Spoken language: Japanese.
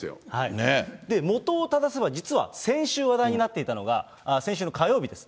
もとをただせば、実は先週話題になっていたのが、先週の火曜日です。